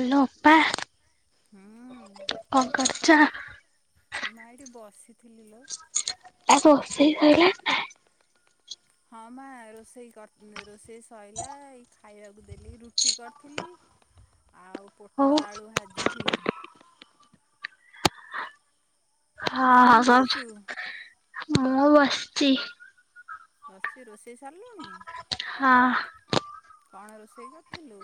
Hello ଅପା ହୁଁ କଣ କରଚ? ମା ଏଇଠି ବସିଥିଲି ଲୋ। ଆଉ ରୋଷେଇ ସଇଲା? ହଁ ମା ରୋଷେଇ କର-ରୋଷେଇ ସଇଲା ଏଇ ଖାଇବାକୁ ଦେଲି ରୁଟି କରିଥିଲି। [unintelligible] ଆଉ ହଉ ପୋଟଳ ଆଳୁ ଭାଜିଥିଲି। ତୁ ହଁ, କଣ ହଁ କରୁଛୁ? ସ- ମୁଁ ବସିଛି। ବସିଛି ରୋଷେଇ ସାରଲୁଣି? ହଁ। କଣ ରୋଷେଇ କରିଥିଲୁ?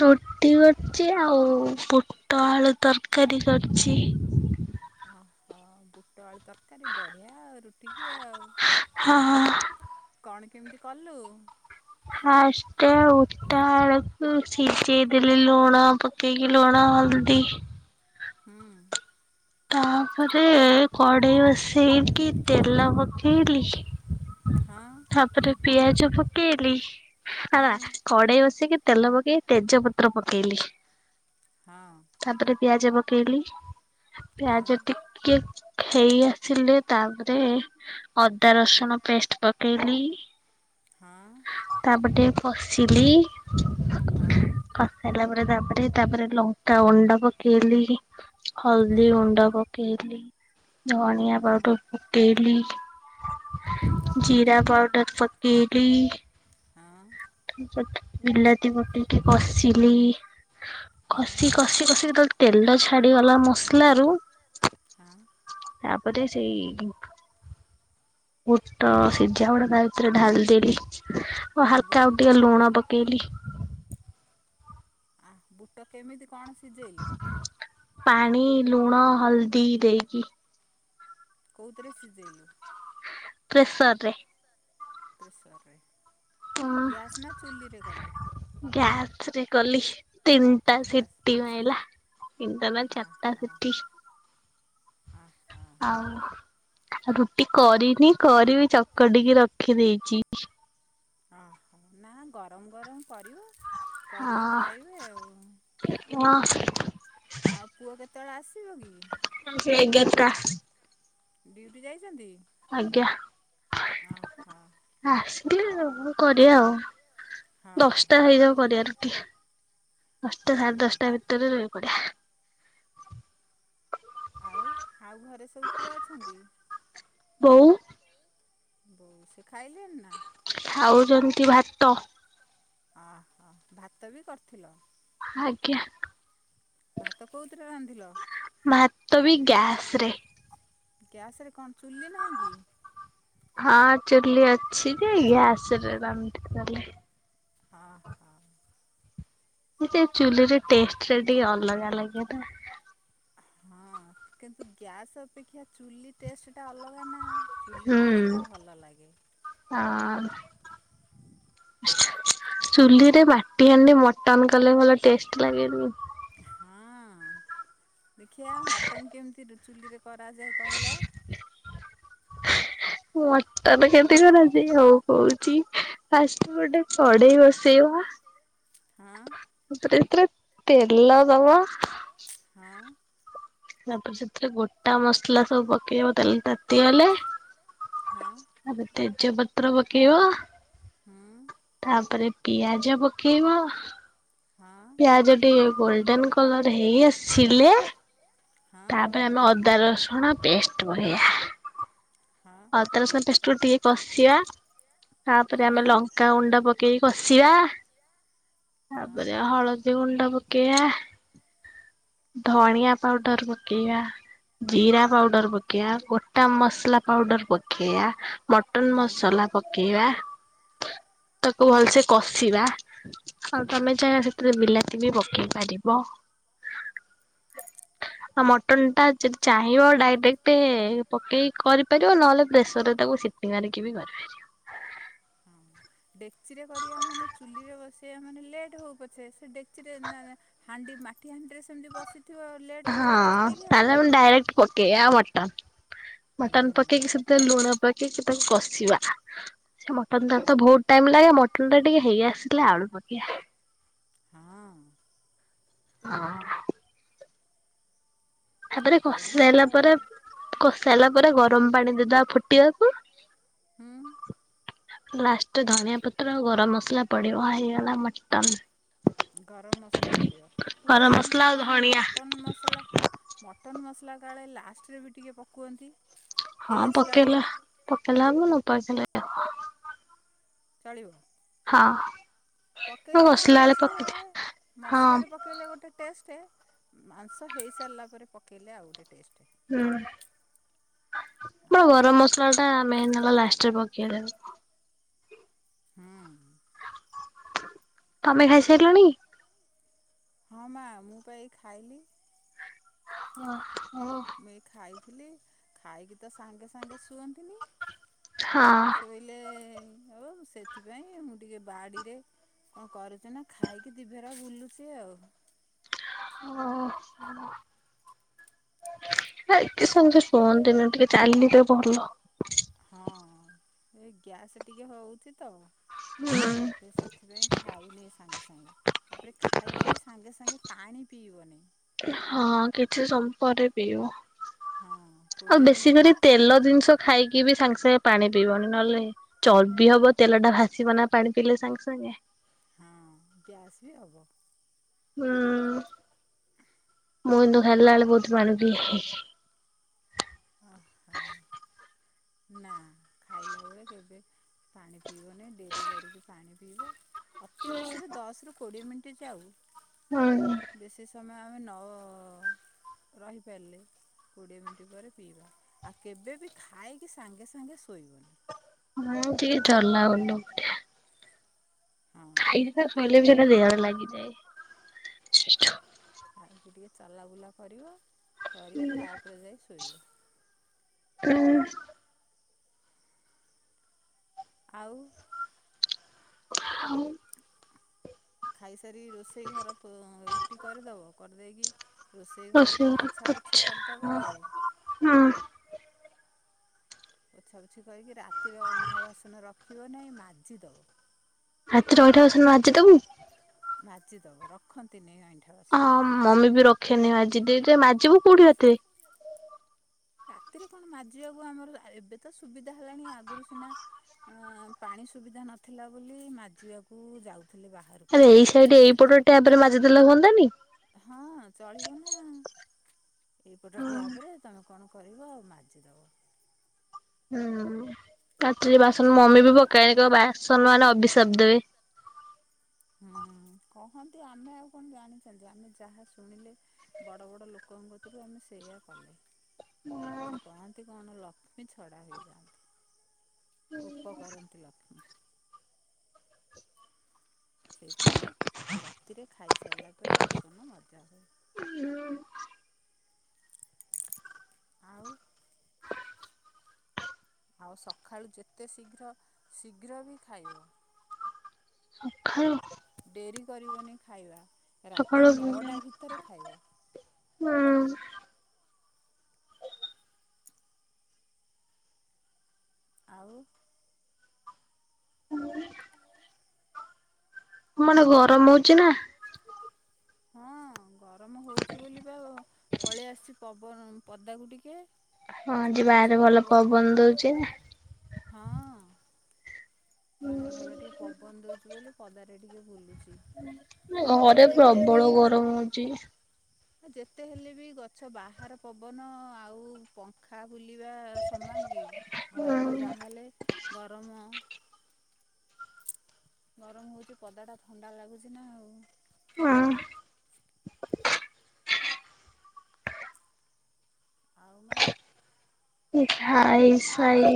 ରୁଟି କରଚି, ଆଉ ବୁଟ ଆଳୁ ତରକାରୀ କରଛି। ଓହୋ, ବୁଟ ଆଳୁ ତରକାରୀ, ବଢ଼ିଆ ଆଉ ରୁଟିିକି ଆଉ। ହଁ, ହଁ। କଣ କେମିତି କଲୁ? ଫାଷ୍ଟ ବୁଟ ଆଳୁକୁ ସିଝେଇ ଦେଲି ଲୁଣ ପକ କେଇକି ଲୁଣ ହଳଦୀ। ହୁଁ ତାପରେ କଢେଇ ବସେଇକି ତେଲ ପକେଇଲି। ହଁ। ତାପରେ ପିଆଜ ପକେଇଲି, ହୁଁ ଆବା କଡେଇ ବସେଇକି ତେଲ ପକେଇ ତେଜପତ୍ର ପକେଇଲି। ହଁ। ତାପରେ ପିଆଜ ପକେଇଲି। ହଁ ପିଆଜ ଟିକେ ହେଇ ଆସିଲେ ତାପରେ ଅଦା ରସୁଣ ପେଷ୍ଟ ପକେଇଲି। ହଁ। ତାପରେ ଟିକେ କଷିଲି। ହଁ। କଷି ସାଇଲା ପରେ ତାପରେ ତାପରେ ଲଙ୍କା ଗୁଣ୍ଡ ପକେଇଲି। ହଁ ହଁ ହଳଦୀ ଗୁଣ୍ଡ ପକେଇଲି, ଧଣିଆ ହଁ ପାଉଡ଼ର ପକେଇଲି। ଜିରା ପାଉଡର ପକେଇଲି। ହଁ ତାପରେ ତା ବିଲାତି ପକେଇକି କଷିଲି। ହଁ କଷି କଷି କଷିକି [unintelligible] ତେଲ ଛାଡିଗଲା ମସଲା ରୁ ହଁ। ତାପରେ ସେଇ ଢିଙ୍କ୍ ବୁଟ ସିଝା ଗୁଡା ତା ଭିତରେ ଢାଳି ଦେଲି, ଓ ବୁଟ ହାଲକା ଆଉ ଟିକେ ଲୁଣ ପକେଇଲି। ଆ ବୁଟ କେମିତି କଣ ସିଳେଇଲୁ? ପାଣି ଲୁଣ ହଲ୍ଦୀ ଦେଇକ୍ କୋଉତିରେ ସିଜେଇଲ? ପ୍ରେସର୍ ରେ। ପ୍ରେସର୍ ରେ ଗ୍ୟାସ୍ ନା ଚୁଲିରେ କଲ? ଗ୍ୟାସ୍ ରେ କଲି ତିନିଟା ଗ୍ୟାସ୍ ସିଟି ମାଇଲା। ତିନିଟା ନା ଚାରିଟା ସିଟି। ଅ ହ। ଆ ରୁଟି କରିନି କରିବି ଚକଟିକି ରଖିଦେଇଚି। ଅ ହଁ। ନା ଗରମ ଗରମ କରିବ କରିକି ହଁ ଖାଇବେ ଆଉ। ହଁ। ଆଉ ପୁଅ କେତେବେଳେ ଆସିବ କି? ସେ ଏଗାର୍ ଟା। ଡିଉଟି ଯାଇଚନ୍ତି? ଆଜ୍ଞା। ଅ ହ। ଆସିଲେ ମୁ କରିଆ ଆଉ ହଁ ଦଶ୍ ଟା ହେଇଯାଉ କରିଆ ରୁଟି। ଦଶଟା ସାଢେ ହଉ ଦଶଟା ଭିତରେ ରେଡି କରିଆ। ଆଉ ଆଉ ଘରେ ସବୁ କିଏ ଅଛନ୍ତି? ବୋଉ। ବୋଉ ସିଏ ଖାଇଲେଣି ନା? ଖାଉଚନ୍ତି ଭାତ। ଅ ହ ଭାତ ବି କରିଥିଲ? ଆଜ୍ଞା। ଭାତ କୋଉଥିରେ ରାନ୍ଧିଲ? ଭାତ ବି ଗ୍ୟାସ୍ ରେ। ଗ୍ୟାସ୍ ରେ କଁ ଚୁଲି ନାହିଁ କି? ହଁ ଚୁଲି ଅଛି ଯେ ଗ୍ୟାସ୍ ରେ ରାନ୍ଧି ଦେଲି। ହଁ ହଁ। ଗୋଟେ ଚୁଲିରେ ଟେଷ୍ଟ୍ ଟା ଟିକେ ଅଲଗା ଲାଗେ ତ। ହଁ। କିନ୍ତୁ ଗ୍ୟାସ୍ ଅପେକ୍ଷା ଚୁଲି ଟେଷ୍ଟ୍ ଟା ଅଲଗା ନା ଚୁଲି ଟେଷ୍ଟ୍ ହୁଁ। ଟା ଭଲ ଲାଗେ। ହଁ। ଚୁଲିରେ ମାଟି ହାଣ୍ଡି ମଟନ୍ କଲେ ଭଲ ଟେଷ୍ଟ୍ ଲାଗେନି? ହଁ, ଦେଖିଆ ମଟନ୍ କେମିତି ରୁ ଚୁଲିରେ କରାଯାଏ କହିଲ। ମଟନ୍ କେମତି କରନ୍ତି ହଉ କହୁଚି। ଫାଷ୍ଟ୍ ଗୋଟେ କଡେଇ ବସେଇଆ। ହଁ। ତାପରେ ଏଥିରେ ତେଲ ଦବା। ହଁ। ତାପରେ ସେଥିରେ ଗୋଟା ମସଲା ସବୁ ପକେଇବ ତେଲ ତାତିଗଲେ। ହଁ। ତାପରେ ତେଜପତ୍ର ପକେଇବ। ହୁଁ। ତାପରେ ପିଆଜ ପକେଇବ। ହଁ ପିଆଜ ଟିକେ ଗୋଲ୍ଡେନ୍ କଲର୍ ହେଇ ଆସିଲେ। ହଁ ତାପରେ ଆମେ ଅଦା ରସୁଣ ପେଷ୍ଟ୍ ପକେଇବା। ହଁ ଅଦା ରସୁଣ ପେଷ୍ଟ୍ କୁ ଟିକେ କଷିବା ତାପରେ ଆମେ ହଁ ଲଙ୍କାଗୁଣ୍ଡ ପକେ ପକେଇକି କଷିବା ହଁ ତାପରେ ହଳଦୀ ଗୁଣ୍ଡ ପକେଇବା। ଧଣିଆ ପାଉଡର ପକେଇବା। ଜିରା ପାଉଡର ପକେଇବା ଗୋଟା ମସଲା ପାଉଡର ପକେଇବା ହଁ ମଟନ ହଁ ମସଲା ପକେଇବା ତାକୁ ଭଲସେ କଷିବା ଆଉ ତମେ ଚାହିଁଲେ ସେଥି ସେଥିରେ ବିଲାତି ବି ପକେଇ ପାରିବ। ଆଉ ମଟନ୍ ଟା ଯଦି ଚାହିଁବ ଡାଇରେକ୍ଟ ପକେଇକି କରିପାରିବ ନହେଲେ ପ୍ରେସର ରେ ତାକୁ ସିଟି ସିଟି ମାରିକି ବି କରିପାରିବ। ହଁ ଡେକ୍ଚିରେ କରିବା ମାନେ ଚୁଲିରେ ବସେଇବା ମାନେ ଲେଟ୍ ହଉ ପଛେ ସେ ଡେକ୍ଚିରେ ନା ନା ହାଣ୍ଡି ମାଠି ହାଣ୍ଡିରେ ସେମିତି ବସିଥିବ ଲେଟ୍ ହବ ହଁ ପଛେ ଟିକେ ତାହେଲେ ଆଉ। ଆମେ ଡାଇରେକ୍ଟ ପକେଇବା ମଟନ୍ ହୁଁ ମଟନ୍ ପକେଇକି ସେଥିରେ ଲୁଣ ପକେଇକି ତାକୁ କଷିବା। ସେ ମଟନ୍ ଟା ତ ବହୁତ ଟାଇମ ଲାଗେ ମଟନ୍ ଟା ଟିକେ ହେଇ ଆସିଲା ଆଳୁ ପକିଆ ହଁ ହଁ ତାପରେ ଆଉ କଷି ବଢ଼ିଆ ସାଇଲା ଆଉ ପରେ କଷାଇଲା ପରେ ଗରମ ପାଣି ଦେଇଦବା ଫୁଟିବାକୁ। ହୁଁ ଲାଷ୍ଟରେ ଧନିଆ ପତ୍ର ଆଉ ଗରମ ମସଲା ପଡିବ ହେଇଗଲା ମଟନ। ଗରମ ମସଲା ପଡିବ ମୁଁ ବା ଗରମ ମସଲା ଜାଣିଛି ଆଉ କଣ ଧଣିଆ ମଟନ ମସଲା ମଟନ୍ ମସଲା କାଳେ ଲାଷ୍ଟରେ ବି ଟିକେ ପକନ୍ତି। ହଁ ପକେଇଲା ପକେଇଲା ହବ ନ ପକେଇଲେ ଆ ଚଳିବ। ହଁ ମୁଁ ପକେଇଲେ ଗୋଟେ କଷିଲା ବେଳେ ଟେଷ୍ଟ ପକେଇଥାଏ ହଁ ମସଲାରେ ପ ପକାଇଲେ ଗୋଟେ ଟେଷ୍ଟ ମାଂସ ହେଇସାରିଲା ପରେ ପକେଇଲେ ଆଉ ଗୋଟେ ଟେଷ୍ଟ। ହୁଁ ମ ହଁ ଗରମ ମସଲା ଟା ମେନ୍ ହେଲା ଲାଷ୍ଟରେ ପକେଇଲେ। ହୁଁ ତମେ ଖାଇସାରିଲଣି? ହଁ ମା ମୁଁ ପାଇଁ ଏ ଖାଇଲି। ହଁ ହ ମୁଇ ଖାଇଥିଲି ଖାଇକି ତ ସାଙ୍ଗେ ସାଙ୍ଗେ ଶୁଅନ୍ତିନି। ହଁ ଶୋଇଲେ ଆଉ ସେଥିପାଇଁ ମୁଁ ଟିକେ ବାଡିରେ କଣ କରୁଛି ନା ଖାଇକି ଦିଭେରା ବୁଲୁଛି ଆଉ। ହ ଓ ଆ କିସ ଶୁଅନ୍ତିିନ ଟିକେ ଚାଲିଲେ ଭଲ। ହଁ ଏ ଗ୍ୟାସ୍ ଟିକେ ହଉଛି ତ ହୁଁ ହେଲେ ସେଥିପାଇଁ ଖାଉନି ସାଙ୍ଗେ ସାଙ୍ଗେ ତାପରେ ଖାଇକି ବି ସାଙ୍ଗେ ସାଙ୍ଗେ ପାଣି ପିଇବନି। ହଁ କିଛି ସମୟ ପରେ ପିଇବୁ। ହଁ ଆଉ କୋଡ଼ିଏ ବେଶୀ କରି ମିନିଟ୍ ତେଲ ଜିନିଷ ଖାଇକି ବି ସାଙ୍ଗେ ସାଙ୍ଗେ ପାଣି ପିଇବନି ନହେଲେ ଚର୍ବି ହବ ତେଲ ଟା ଭାସିବ ନା ପାଣି ପିଲେ ସାଙ୍ଗ ସାଙ୍ଗେ ହଁ କ୍ୟାସ ବି ହବ। ହୁଁ। ମୁଁ କିନ୍ତୁ ଖାଇଲାଏଳେ ବହୁତ ପାଣି ପିଏ। ଅହ ନା ଖାଇଲା ବେଳେ କେବେ ପାଣି ପିଇବନି ଡେରି କରିକି ପାଣି ପିଇବ। ଅତି ବେଶୀରେ ଦଶ ରୁ କୋଡିଏ ମିନିଟ୍ ଯାଉ। ହୁଁ ବେଶୀ ସମୟ ଆମେ ନ ରହିପାରଲେ କୋଡ଼ିଏ ମିନିଟ୍ ପରେ ପିଇବା। ଆଉ କେବେ ବି ଖାଇକି ସାଙ୍ଗେ ସାଙ୍ଗେ ଶୋଇବନି। ହୁଁ ଟିକେ ଚଲାଉନୁ ଠିଆ। ଅଁ। ଆଇରୀ ତ ଶୋଇଲେ ବି ସେଟା ଦେହରେ ଲାଗିଯାଏ। ଖାଇକି ଟିକେ ଚାଲାବୁଲା କରିବ କରିକି ତାପରେ ଯାଇ ଶୋଇବ। କୁନ। ଆଉ ଆଉ। ଖାଇସାରି ରୋଷେଇ ଘର ପୋ ରୁଟି କରିଦବ। କରିଦେଇକି ରୋଷେଇ ଘରେ ଟିକେ ଘର ପୋଛାପୋଛି ପୋଛା କରଦବ ଆଉ। ହୁଁ। ପୋଛାପୋଛି କରିକି ରାତିରେ ଅଇଁଠା ବାସନ ରଖିବ ନେଇଁ ମାଜିଦବ। ରାତିରେ ଅଇଁଠା ବାସନ ମାଜିଦୋବୁ? ମାଜିଦବ ରଖନ୍ତି ନେଇଁ ଅଇଠ ହଁ ମମି ବି ରଖେନି ମାଜି ଦିଏ। ଯେ ମାଜିବୁ କୋଉଠି ରାତିରେ? ରାତିରେ କଣ ମାଜିବାକୁ ଆମର ଏବେ ତ ସୁବିଧା ହେଲାଣି। ଆଗରୁ ସିନା ଆ ପାଣି ସୁବିଧା ନଥିଲା ବୋଲି ମାଜିବାକୁ ଯାଉଥିଲେ ବାହାରେ। ଆରେ ଏଇ ସାଇଡ ଏଇ ପଟ ଟ୍ୟାପରେ ମାଜିଦେଲେ ହୁଅନ୍ତାନି? ହଁ ଚଳିବ ନା ଏଇପଟ ଟ୍ୟାପରେ ତମେ କଣ କରିବ ଆଉ ମାଜିଦେବ। ହୁଁ କାଚରେ ବାସନ ମମି ବି ପକାଏଗ ବାସନ ମାନେ ଅଭିିଶପ ଦେବେ। ହୁଁ କହନ୍ତି ଆମେ ଆଉ କଣ ଜାଣିଚନ୍ତି ଆମେ ଯାହା ଶୁଣିଲେ। ବଡ଼ ବଡ଼ ଲୋକଙ୍କ କତୁରୁ ଆମେ ସେଇୟଆ କଲେ। ସେ କହନ୍ତି କଣ ଲକ୍ଷ୍ମୀ ଛଡା ହେଇଯାଆନ୍ତି। କୋପ କରନ୍ତି ଲକ୍ଷ୍ମୀ। ସେଇଥିପାଇଁ ରାତିରେ ଖାଇସାଇଲା ପରେ ବାସନ ମଜା ହୁଏ। ହୁଁ। ଆଉ ଆଉ ସଖାଳୁ ଯେତେ ଶୀଘ୍ର ଶୀଘ୍ର ବି ଖାଇବ। ସଖାଳୁ? ଡେରି କରିବନି ଖାଇବା ରାତି ସକାଳୁ ନଅଟା ଭିତରେ ଖାଇବ। ହୁଁ। ଆଉ। ହୁଁ। ଚଙ୍ଗ ଆଏ। ତୁମ ଆଡେ ଗରମ ହୋଉଚି ନା? ହଁ ଗରମ ହୋଉଚି ବୋଲି ପା ପଲିଆସଚି ପବନ ପଦାକୁ ଟିକେ। ହଁ ଆଜି ଗଛ ବାହାରେ ଭଲ ପବନ ଦଉଛି। ହଁ-ଅ-ଅ। ବାହାରେ ଭଲ ଟିକେ ପବନ ଦଉଛି ବୋଲି ପଦାରେ ଟିକେ ବୁଲୁଚି। ଘରେ ପ୍ରବଳ ଗରମ ହଉଚି। ଆ ଯେତେ ହେଲେ ବି ଗଛ ବାହାର ପବନ-ଅ-ଅ-ଅ ଆଉ ପଙ୍ଖା ବୁଲିବା ସମାନ କି ହୁଁ ଘରଟା ଯାହାହେଲେ ଗରମ ଗରମ ହଉଚି ପଦା ଟା ଥଣ୍ଡା ଲାଗୁଛି ନା ଆଉ। ହଁ। ଆଉ ମା? ହେ ଖାଇ ସାଇ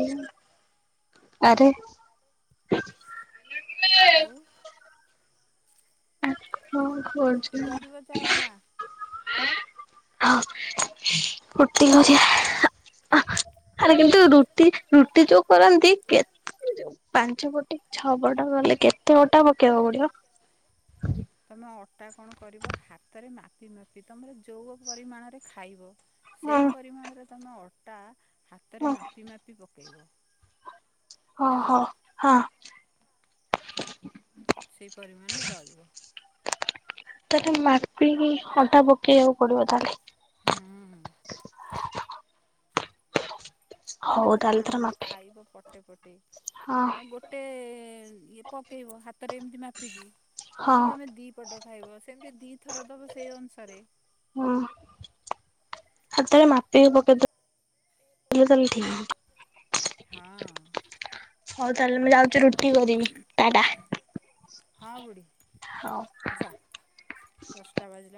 ଆରେ ଆଉ ରୁଟି ଆଉ କରିବ ଯାଅ ମା। କଣ କରୁଛ [unintelligible] ର ଆରେ କିନ୍ତୁ ରୁଟି ରୁଟି ଯୋଉ କରନ୍ତି କେ ଯୋଉ ପାଞ୍ଚ ପଟେ ଛଅ ପଟ ଗଲେ କେତେ ଅଟା ପକେଇବା ପଡିବ? ତମେ ଅଟା କଣ କରିବ ହାତରେ ମାପି ମାପି ତମର ଯୋଉ ପରିମାଣରେ ଖାଇବ ହଁ ସେମ୍ ପରିମାଣରେ ତମେ ଅଟା ହଁ ହାତରେ ମାପି ମାପି ପକେଇବ। ଓ ଜାଣିଲ ହୋ ହଁ। ସେଇ ପରିମାଣରେ ଦଳିବ। ତଥାପି ମାପିକି ଅଟା ପକେଇବାକୁ ପଡିବ ତାହେଲେ। ହୁଁ ହୁଁ। ତମେ ହଉ ଧର ତାହେଲେ ପାନ୍ ତାର ମାପି ଖାଇବ ପଟେ ପଟେ। ହଁ ହଉ ଗୋଟେ-ଏ-ଏ-ଏ ଇଏ ପକେଇବ ହାତରେ ଏମିତି ମାପିକି। ହଁ ଯଦି ତମେ ଦି ପଟ ଖାଇବ ସେମିତି ଦି ଥର ଦେବ ସେଇ ଅନୁସାରେ। ହଁ। ହାତରେ ମାପିକି ପକେଇଦ୍ ଦେଲେ ଠିକ୍। ହଁ। ହଉ ତାହେଲେ ମୁଁ ଯାଉଛି ରୁଟ୍ ଟି କରିିବି ଟା ଟା ହଁ ବୁଢ଼ୀ ହଉ। ଯା ଦଶଟା ବାଜିଲା